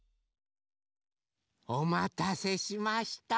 おまたせしました。